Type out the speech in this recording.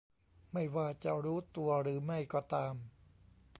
ไม่ว่าจะรู้ตัวหรือไม่ก็ตาม